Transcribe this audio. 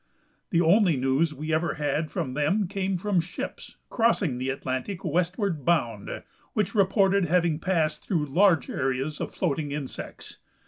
The only news we ever had from them came from ships crossing the Atlantic westward bound, which reported having passed through large areas of floating insects.